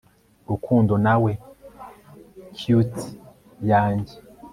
Urukundo nawe cutie yanjye